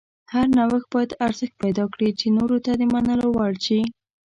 هر نوښت باید ارزښت پیدا کړي چې نورو ته د منلو وړ شي.